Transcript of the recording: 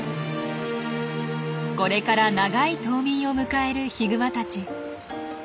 これから長い冬眠を迎えるヒグマたち。